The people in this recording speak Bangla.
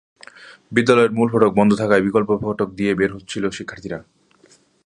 বিদ্যালয়ের মূল ফটক বন্ধ থাকায় বিকল্প ফটক দিয়ে বের হচ্ছিল শিক্ষার্থীরা।